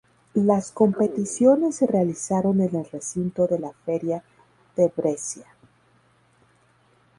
Las competiciones se realizaron en el recinto de la Feria de Brescia.